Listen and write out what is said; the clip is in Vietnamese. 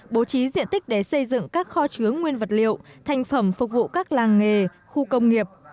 bố trí diện tích để xây dựng các kho chứa nguyên vật liệu thành phẩm phục vụ các làng nghề khu công nghiệp